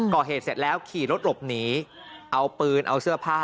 ก่อเหตุเสร็จแล้วขี่รถหลบหนีเอาปืนเอาเสื้อผ้า